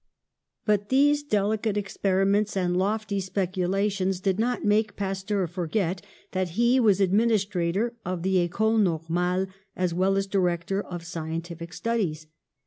But these delicate experiments and lofty speculations did not make Pasteur forget that he was Administrator of the Ecole Normale as well as director of scientific studies.